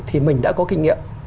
thì mình đã có kinh nghiệm